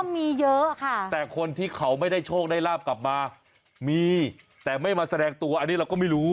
มีเยอะค่ะแต่คนที่เขาไม่ได้โชคได้ลาบกลับมามีแต่ไม่มาแสดงตัวอันนี้เราก็ไม่รู้